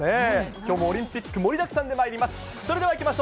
きょうもオリンピック盛りだくさんでまいります。